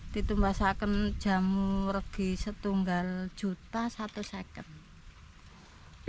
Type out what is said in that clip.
ditumbasakan jamur di setunggal juta satu second